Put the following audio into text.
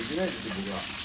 僕は」